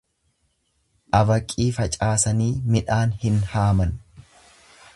Abaqii facaasanii midhaan hin haaman.